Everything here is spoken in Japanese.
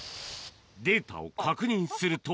データを確認すると。